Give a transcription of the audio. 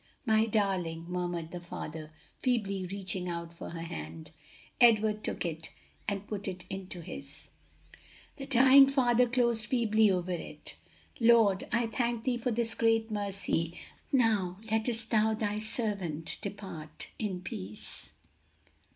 my darling!" murmured the father, feebly reaching for her hand. Edward took it and put it into his. The dying fingers closed feebly over it. "Lord, I thank thee for this great mercy! 'Now lettest thou thy servant depart in peace.'"